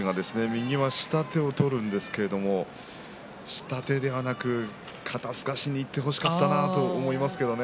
富士が右は下手を取るんですが下手ではなくて肩すかしにいってほしかったなと思いますね。